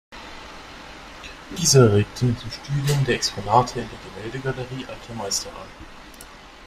Dieser regte ihn zum Studium der Exponate in der Gemäldegalerie Alte Meister an.